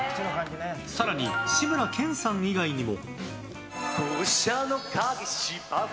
更に、志村けんさん以外にも。